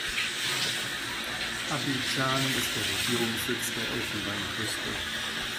Abidjan ist der Regierungssitz der Elfenbeinküste.